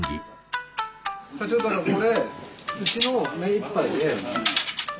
社長これうちの目いっぱいで。